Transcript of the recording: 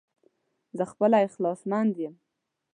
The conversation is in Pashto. زه خپله اخلاص مند يم